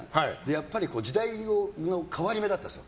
やっぱり時代の変わり目だったんです。